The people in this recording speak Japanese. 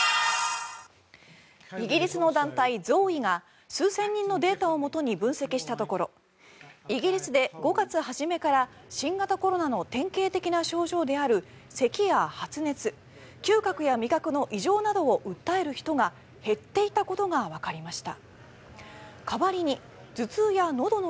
イギリスの団体ＺＯＥが数千人のデータをもとに分析したところイギリスで５月初めから新型コロナの典型的な症状であるせきや発熱嗅覚や味覚の異常などを訴える人が減っていたことがわかりました。